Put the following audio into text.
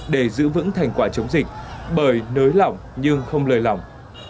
để giữ vững thành quả chống dịch bởi nới lỏng nhưng không lời lòng